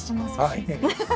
はい。